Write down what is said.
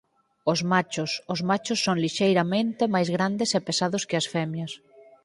Os machos Os machos son lixeiramente máis grandes e pesados que as femias.